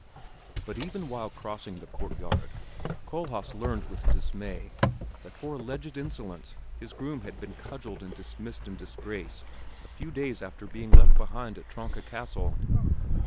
But even while crossing the courtyard, Kohlhaas learned with dismay that for alleged insolence his groom had been cudgeled and dismissed in disgrace a few days after being left behind at Tronka Castle.